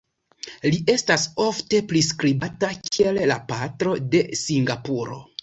Li estas ofte priskribata kiel la "Patro de Singapuro".